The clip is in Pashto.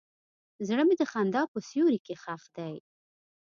زړه مې د خندا په سیوري کې ښخ دی.